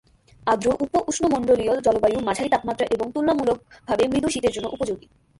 আর্দ্র উপ-উষ্ণমন্ডলীয় জলবায়ু মাঝারি তাপমাত্রা এবং তুলনামূলকভাবে মৃদু শীতের জন্য উপযোগী।